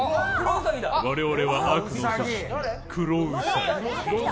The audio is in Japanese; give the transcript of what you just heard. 我々は悪の組織クロウサギ。